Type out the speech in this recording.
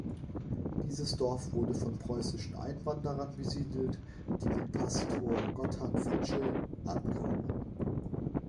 Dieses Dorf wurde von preußischen Einwanderern besiedelt, die mit Pastor Gotthard Fritzsche ankamen.